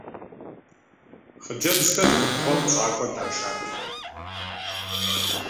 Хъыджэбзхэр губгъуэм пщӀакӀуэ дашат.